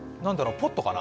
ポットかな？